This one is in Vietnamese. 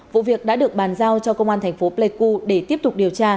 vụ việc đã được bàn giao cho công an thành phố pleiku để tiếp tục điều tra